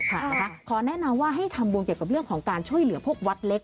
ขอแนะนำว่าให้ทำบุญเกี่ยวกับเรื่องของการช่วยเหลือพวกวัดเล็ก